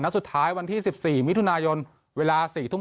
นัดสุดท้ายวันที่สิบสี่มิทุนายนนี้เวลาสี่ทุ่ม